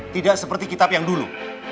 tidak seperti kitab yang dulu